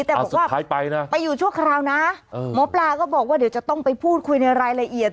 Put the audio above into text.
แต่บอกว่าไปอยู่ชั่วคราวนะหมอปลาก็บอกว่าเดี๋ยวจะต้องไปพูดคุยในรายละเอียด